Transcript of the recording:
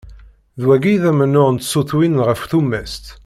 D wagi i d amennuɣ n tsutwin ɣef tumast.